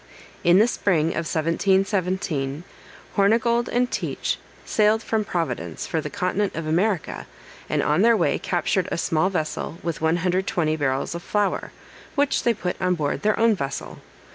In the spring of 1717, Hornigold and Teach sailed from Providence for the continent of America, and on their way captured a small vessel with 120 barrels of flour, which they put on board their own vessel.